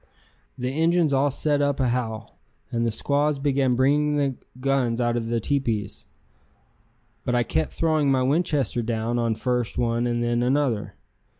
The Injuns all set up a howl, and the squaws began bringing the guns out of the teepees. But I kept throwing my Winchester down on first one and then another.